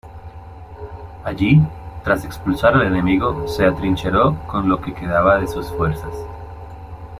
Allí tras expulsar al enemigo se atrincheró con lo que quedaba de sus fuerzas.